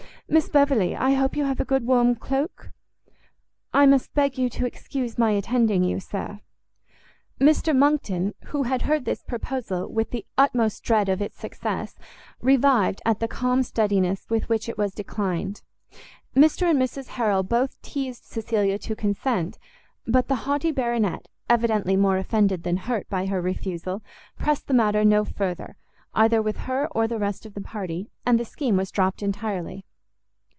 Miss Beverley, I hope you have a good warm cloak?" "I must beg you to excuse my attending you, sir." Mr Monckton, who had heard this proposal with the utmost dread of its success, revived at the calm steadiness with which it was declined. Mr and Mrs Harrel both teized Cecilia to consent; but the haughty Baronet, evidently more offended than hurt by her refusal, pressed the matter no further, either with her or the rest of the party, and the scheme was dropt entirely.